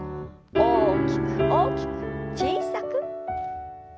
大きく大きく小さく。